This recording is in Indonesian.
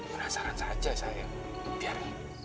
penasaran saja saya biar